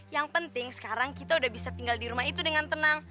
yang penting sekarang kita udah bisa tinggal di rumah itu dengan tenang